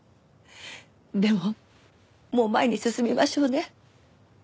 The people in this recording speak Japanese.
でももう前に進みましょうね。